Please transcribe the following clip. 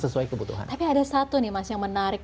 sesuai kebutuhan tapi ada satu nih mas yang menarik